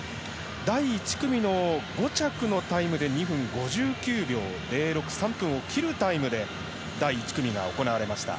第１組の５着のタイムで２分５９秒０６切るタイムで第１組が行われました。